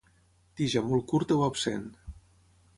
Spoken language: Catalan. Tija molt curta o absent.